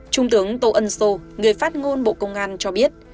trung tướng tô ân sô người phát ngôn bộ công an cho biết